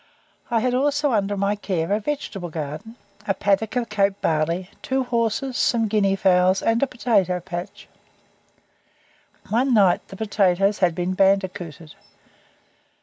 I had also under my care a vegetable garden, a paddock of Cape barley, two horses, some guinea fowls, and a potato patch. One night the potatoes had been bandicooted.